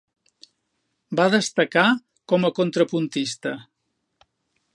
Va destacar com a contrapuntista.